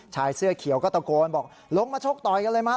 ชายเสื้อเขียวก็ตะโกนบอกลงมาชกต่อยกันเลยมา